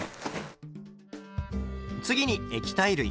次に液体類。